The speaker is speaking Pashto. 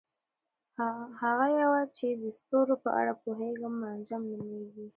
هغه پوه چې د ستورو په اړه پوهیږي منجم نومیږي.